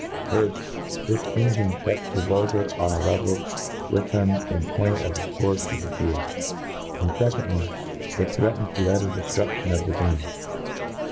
Firft^ This engine fets the vulgar on a level with them in point of the fports of the field. And, Secondly^ it threatens the utter de ftruflion of the game.